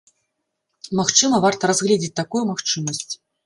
Магчыма, варта разгледзець такую магчымасць.